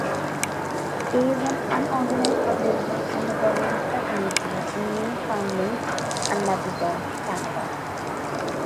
K is an unorganized subdivision on the Bonavista Peninsula in Newfoundland and Labrador, Canada.